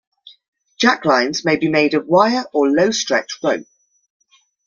Jacklines may be made of wire or low-stretch rope.